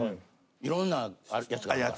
いろんなやつがあるから。